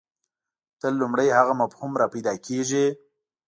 تل لومړی هغه مفهوم راپیدا کېږي.